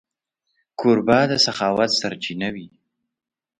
کوربه د سخاوت سرچینه وي.